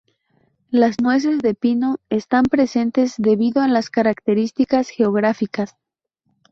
Las nueces de pino están presentes debido a las características geográficas.